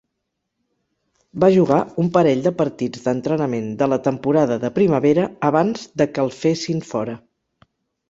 Va jugar un parell de partits d'entrenament de la temporada de primavera abans de que el fessin fora.